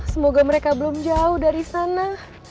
semoga mereka belum jauh dari sana